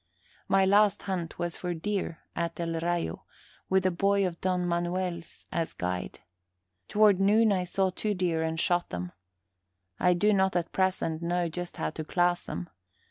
My last hunt was for deer at El Rayo, with a boy of Don Manuel's for guide. Toward noon I saw two deer and shot them. I do not at present know just how to class them.